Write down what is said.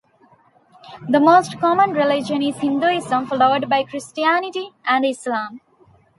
The most common religion is Hinduism, followed by Christianity and Islam.